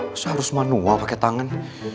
masa harus manual pake tangan